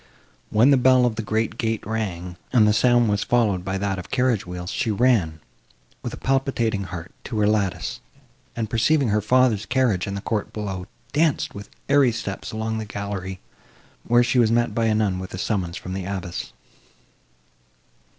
When the bell of the great gate rang, and the sound was followed by that of carriage wheels, she ran, with a palpitating heart, to her lattice, and, perceiving her father's carriage in the court below, danced, with airy steps, along the gallery, where she was met by a nun with a summons from the abbess.